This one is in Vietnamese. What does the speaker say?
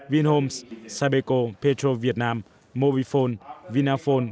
vinhomes sapeco petro việt nam mobifone vinaphone